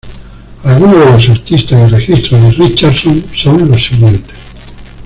Algunos de los artistas y registros de Richardson son los siguientes